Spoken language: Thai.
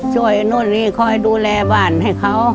นู่นนี่คอยดูแลบ้านให้เขา